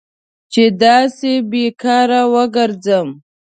چې داسې بې کاره وګرځم.